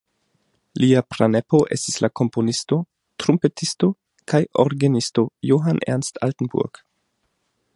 Lia pranepo estis la komponisto, trumpetisto kaj orgenisto Johann Ernst Altenburg.